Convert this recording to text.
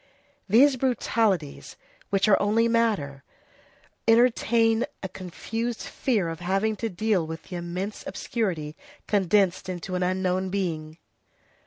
These brutalities, which are only matter, entertain a confused fear of having to deal with the immense obscurity condensed into an unknown being.